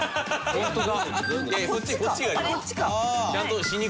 ホントだ。